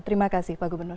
terima kasih pak gubernur